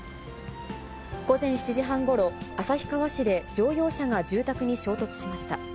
午前７時半ごろ、旭川市で乗用車が住宅に衝突しました。